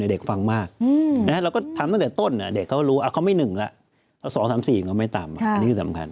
เด็กฟังมากเราก็ทำตั้งแต่ต้นเด็กเขาก็รู้เขาไม่๑แล้ว๒๓๔เขาไม่ต่ำอันนี้คือสำคัญ